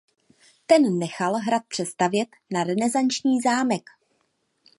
Ten nechal hrad přestavět na renesanční zámek.